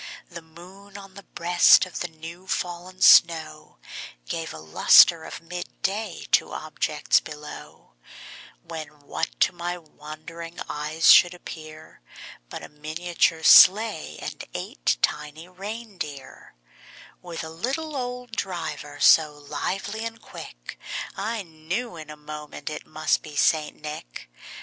The moon, on the breast of the new fallen snow, Gave a lustre of mid day to objects below; When, what to my wondering eyes should appear, But a miniature sleigh, and eight tiny rein deer, With a little old driver, so lively and quick, I knew in a moment it must be St. Nick.